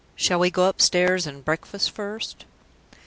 Shall we go upstairs and breakfast first?"